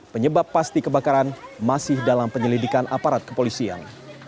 penyebab pasti kebakaran masih dalam penyelidikan aparat kepolisian